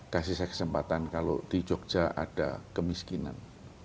kasih saya kesempatan kalau di jogja ada kemiskinan